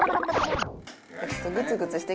グツグツして。